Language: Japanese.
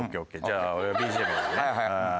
じゃあ俺ＢＧＭやるね。